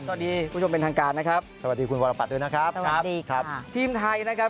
สวัสดีผู้ชมเป็นทางการนะครับ